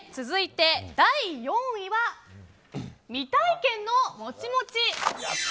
続いて、第４位は未体験のもちもち。